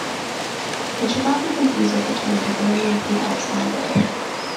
It should not be confused with the term Bavarian Prealps either.